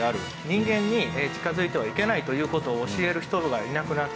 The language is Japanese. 人間に近づいてはいけない」という事を教える人がいなくなって。